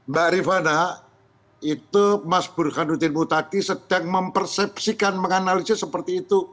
mbak rifana itu mas burhanuddin mutadi sedang mempersepsikan menganalisis seperti itu